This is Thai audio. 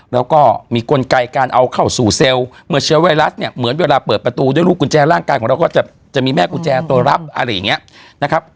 แล้วก็มีกลไกการเอาเข้าสู่เซลล์เมื่อเชื้อไวรัสเนี่ยเหมือนเวลาเปิดประตูด้วยลูกกุญแจร่างกายของเราก็จะมีแม่กุญแจตัวรับอะไรอย่างนี้นะครับ